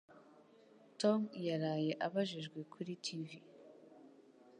Tom yaraye abajijwe kuri TV.